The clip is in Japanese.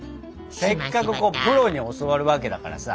せっかくプロに教わるわけだからさ。